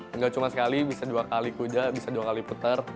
enggak cuma sekali bisa dua kali kuja bisa dua kali putar